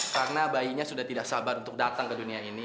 karena bayinya sudah tidak sabar untuk datang ke dunia ini